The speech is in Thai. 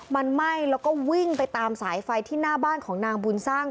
มันไหม้แล้วก็วิ่งไปตามสายไฟที่หน้าบ้านของนางบุญสร้าง